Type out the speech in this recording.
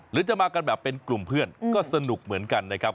หรือจะมากันแบบเป็นกลุ่มเพื่อนก็สนุกเหมือนกันนะครับ